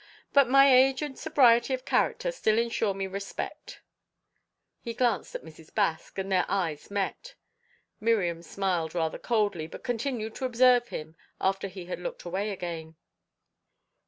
But my age and sobriety of character still ensure me respect." He glanced at Mrs. Baske, and their eyes met. Miriam smiled rather coldly, but continued to observe him after he had looked away again.